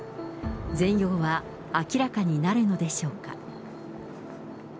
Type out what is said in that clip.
全容は明らかになるのでしょうか。